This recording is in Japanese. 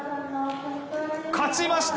勝ちました！